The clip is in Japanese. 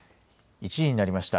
１時になりました。